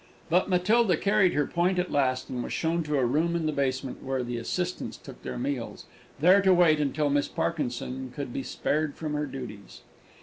But Matilda carried her point at last, and was shown to a room in the basement, where the assistants took their meals, there to wait until Miss Parkinson could be spared from her duties.